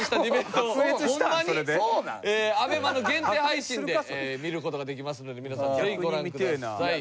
ＡＢＥＭＡの限定配信で見る事ができますので皆さんぜひご覧ください。